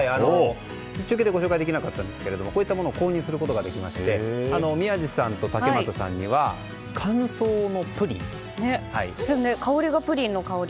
コーナーではご紹介できなかったんですが購入することができまして宮司さんと竹俣さんには香りがプリンの香り。